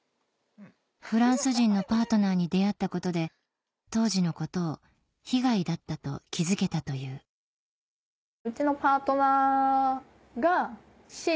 フランス人のパートナーに出会ったことで当時のことを被害だったと気付けたというそこでやっとあぁ。